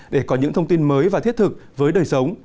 để có những thông tin mới và thiết thực với đời sống